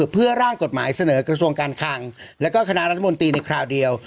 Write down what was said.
เพื่อร่างกฎหมายเสนอกระทรวงการคังแล้วก็คณะรัฐมนตรีในคราวเดียว